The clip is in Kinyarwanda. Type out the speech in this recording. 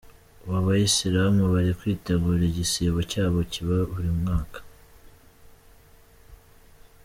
Ubu abayisilamu bari kwitegura igisibo cyabo kiba buri mwaka.